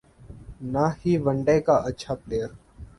نہ ہی one day کا اچھا پلئیر